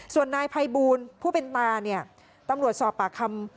ส่วนนายไพบูลผู้เป็นตาตำรวจสอบปากคำ